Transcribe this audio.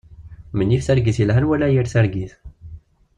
Menyif targit yelhan wala yir targit.